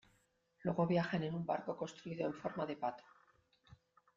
Luego viajan en un barco construido en forma de pato.